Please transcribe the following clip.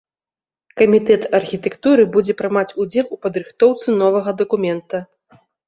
Камітэт архітэктуры будзе прымаць удзел у падрыхтоўцы новага дакумента.